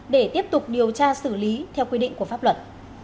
để tiếp tục điều tra xử lý theo quy định của pháp luật